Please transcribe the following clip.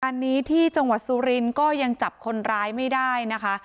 อันนี้ที่จังหวัดสุรินทร์ก็ยังจับคนร้ายไม่ได้นะคะ